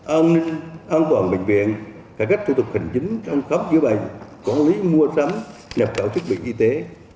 an ninh an toàn bệnh viện cải cách thủ tục hành chính trong khám chữa bệnh quản lý mua sắm nhập tạo chức bệnh y tế